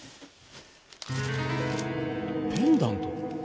ペンダント？